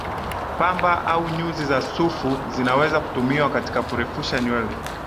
Pamba au nyuzi za sufu zinaweza kutumiwa katika kurefusha nywele